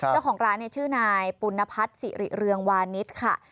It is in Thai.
เจ้าของร้านชื่อนายปุณพัฒน์สิริเรืองวานิสค่ะ